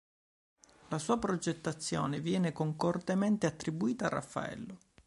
La sua progettazione viene concordemente attribuita a Raffaello.